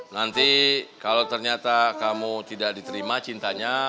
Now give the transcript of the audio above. nanti kalau ternyata kamu tidak diterima cintanya